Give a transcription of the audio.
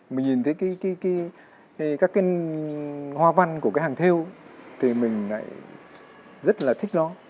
mình nhìn thấy các cái hoa văn của cái hàng theo thì mình lại rất là thích nó